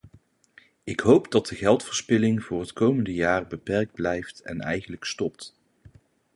Ik hoop dat de geldverspilling voor het komend jaar beperkt blijft en eigenlijk stopt.